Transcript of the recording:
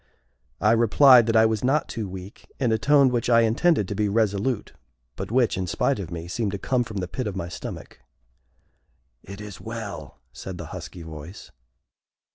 I replied that I was not too weak, in a tone which I intended to be resolute, but which, in spite of me, seemed to come from the pit of my stomach. "It is well!" said the husky voice.